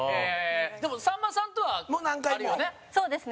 でも、さんまさんとはあるよね？